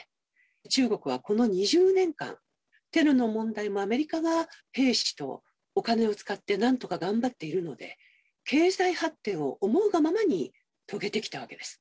中国はこの２０年間、テロの問題もアメリカが兵士とお金を使ってなんとか頑張っているので、経済発展を思うがままに遂げてきたわけです。